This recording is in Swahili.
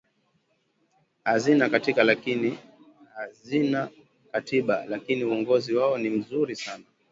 hazina katiba lakini uongozi wao ni mzuri sana